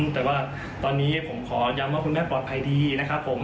แต่ว่าตอนนี้ผมขอย้ำว่าคุณแม่ปลอดภัยดีนะครับผม